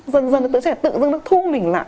dần dần đứa trẻ tự dưng nó thu mình lại